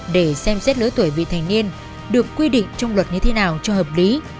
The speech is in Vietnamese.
để xem xét lứa tuổi vị thành niên được quy định trong luật như thế nào cho hợp lý